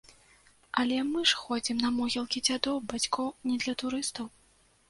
Але мы ж ходзім на могілкі дзядоў, бацькоў не для турыстаў.